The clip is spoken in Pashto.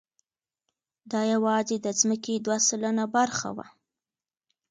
دا یواځې د ځمکې دوه سلنه برخه وه.